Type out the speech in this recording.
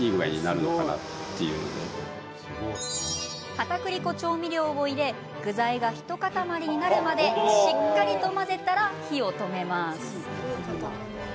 かたくり粉調味料を入れ具材が一塊になるまでしっかりと混ぜたら火を止めます。